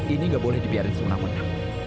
ini nggak boleh dibiarin semuanya